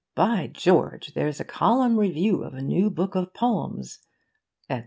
By George, there's a column review of a new book of poems,' etc.